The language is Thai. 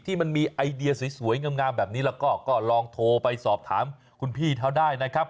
มันมีไอเดียสวยงามแบบนี้แล้วก็ลองโทรไปสอบถามคุณพี่เขาได้นะครับ